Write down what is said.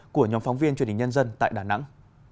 của nhóm phóng viên truyền hình nhân dân tại đà nẵng